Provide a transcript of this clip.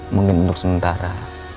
mungkin untuk sementara